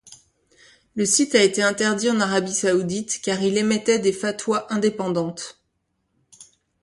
Le site a été interdit en Arabie saoudite car il émettait des fatwas indépendantes.